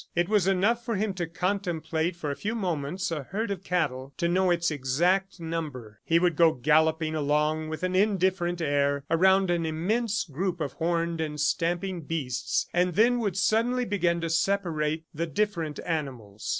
It was enough for him to contemplate for a few moments a herd of cattle, to know its exact number. He would go galloping along with an indifferent air, around an immense group of horned and stamping beasts, and then would suddenly begin to separate the different animals.